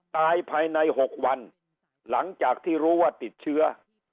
ตายภายใน๖วันหลังจากที่รู้ว่าติดเชื้อ